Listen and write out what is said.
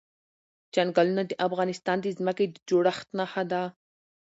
چنګلونه د افغانستان د ځمکې د جوړښت نښه ده.